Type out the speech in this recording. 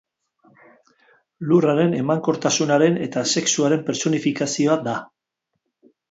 Lurraren emankortasunaren eta sexuaren pertsonifikazioa da.